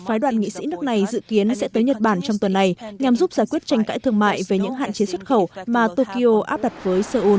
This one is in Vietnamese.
vấn đề này nhằm giúp giải quyết tranh cãi thương mại về những hạn chế xuất khẩu mà tokyo áp đặt với seoul